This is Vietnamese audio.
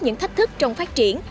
những thách thức trong phát triển